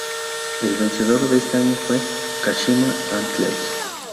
El vencedor de ese año fue Kashima Antlers.